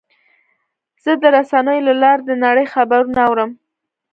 زه د رسنیو له لارې د نړۍ خبرونه اورم.